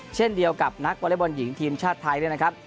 เช่นเดียวกับนักวอเล็กบอลหญิงทีมชาติไทยด้วยนะครับ